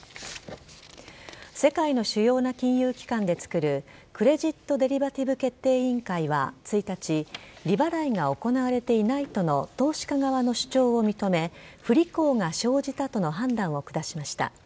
世界の主要な金融機関でつくるクレジット・デリバティブ決定委員会は１日利払いが行われていないとの投資家側の主張を認め不履行が生じたとの判断を下しました。